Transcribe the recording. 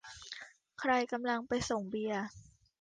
ใครกำลังไปส่งเบียร์ ?